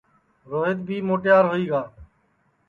روہیت بی موٹیار ہوئی گا